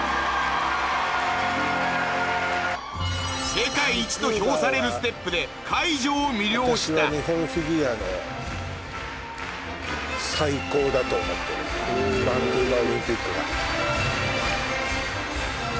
世界一と評されるステップで会場を魅了した日本フィギュアの最高だと思ってるバンクーバーオリンピックが。